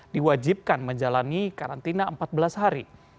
diwajibkan menjalani karantina empat belas hari